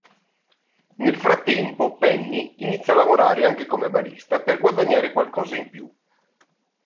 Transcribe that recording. Nel frattempo Penny inizia a lavorare anche come barista per guadagnare qualcosa in più.